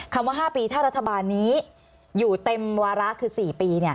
คำว่า๕ปีถ้ารัฐบาลนี้อยู่เต็มวาระคือ๔ปี